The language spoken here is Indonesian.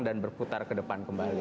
dan berputar ke depan kembali